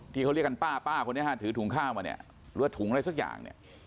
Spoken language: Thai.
ที่เขาเรียกกันป้าป้าคนนี้ฮะถือถุงข้าวมาเนี่ยหรือว่าถุงอะไรสักอย่างเนี่ย